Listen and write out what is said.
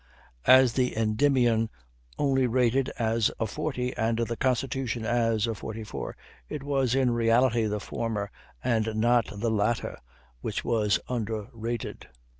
As the Endymion only rated as a 40, and the Constitution as a 44, it was in reality the former and not the latter which was underrated.